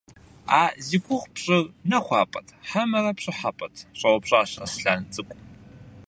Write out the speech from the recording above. - А зи гугъу пщӏыр нэхуапӏэт хьэмэрэ пщӏыхьэпӏэт? – щӏэупщӏащ Аслъэн цӏыкӏу.